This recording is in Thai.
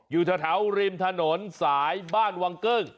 อยู่แถวริมถนนสายบ้านวังเกิ้ง